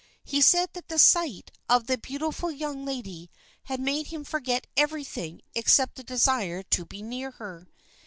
He said that the sight of the beautiful young lady had made him forget everything except the desire to be near her.